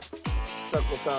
ちさ子さん